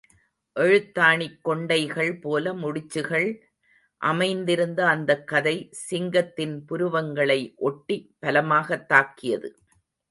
எழுத்தாணிக் கொண்டைகள் போல முடிச்சுகள் அமைந்திருந்த அந்தக் கதை சிங்கத்தின் புருவங்களை ஒட்டி பலமாகத் தாக்கியது.